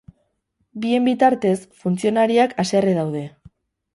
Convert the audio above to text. Bien bitartez, funtzionariak haserre daude.